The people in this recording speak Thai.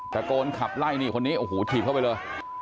ตะโกนขับไล่นี่คนนี้โอ้โหถีบเข้าไปเลย